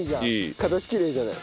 形きれいじゃない。